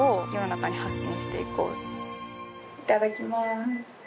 いただきます。